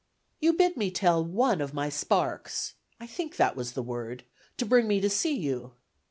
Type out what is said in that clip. ... "You bid me tell one of my sparks (I think that was the word) to bring me to see you.